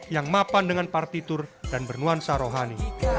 yang mapan dengan partitur dan bernuansa rohani